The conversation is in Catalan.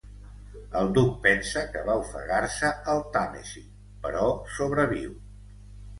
El Duc pensa que va ofegar-se al Tàmesi, però sobreviu.